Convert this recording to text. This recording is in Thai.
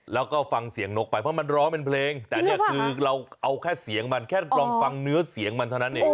แล้วก็ฟังเสียงนกไปเพราะมันร้องเป็นเพลงแต่นี่คือเราเอาแค่เสียงมันแค่ลองฟังเนื้อเสียงมันเท่านั้นเอง